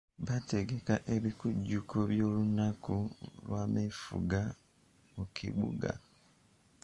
Baategeka ebikujjuko by'olunaku lw'ameefuga mu kibuga.